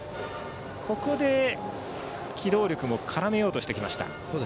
ここで機動力も絡めようとしてきました。